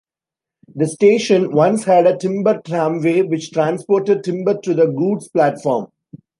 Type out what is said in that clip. The station once had a timber tramway which transported timber to the Goods Platform.